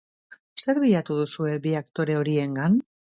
Zer bilatu duzue bi aktore horiengan?